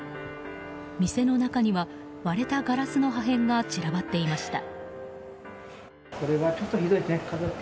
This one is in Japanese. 店の中には割れたガラスの破片が散らばっていました。